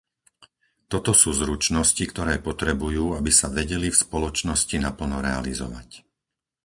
Toto sú zručnosti, ktoré potrebujú, aby sa vedeli v spoločnosti naplno realizovať.